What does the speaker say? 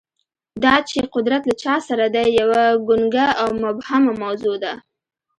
دا چې قدرت له چا سره دی، یوه ګونګه او مبهمه موضوع ده.